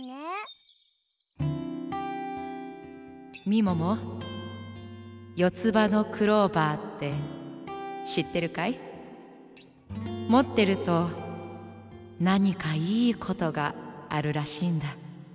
みももよつばのクローバーってしってるかい？もってるとなにかいいことがあるらしいんだ。